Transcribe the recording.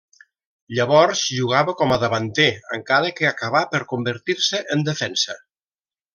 Llavors jugava com a davanter, encara que acabà per reconvertir-se en defensa.